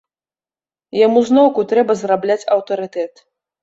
Яму зноўку трэба зарабляць аўтарытэт.